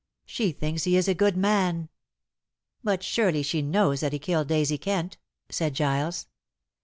She thinks he is a good man." "But surely she knows that he killed Daisy Kent," said Giles.